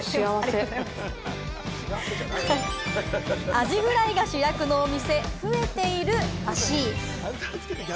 アジフライが主役のお店が増えているらしい。